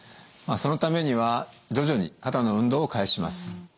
まあそのためには徐々に肩の運動を開始します。